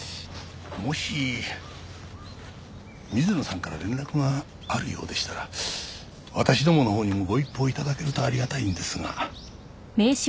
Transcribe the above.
もし水野さんから連絡があるようでしたら私どものほうにもご一報頂けるとありがたいんですが。